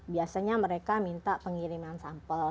biasanya mereka minta pengiriman sampel